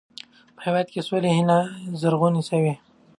په هېواد کې د سولې هیلې زرغونې سوې.